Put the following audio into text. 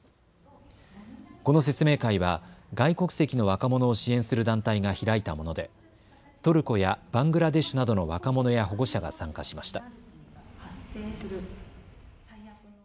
この説明会は外国籍の若者を支援する団体が開いたものでトルコやバングラデシュなどの若者や保護者が参加しました。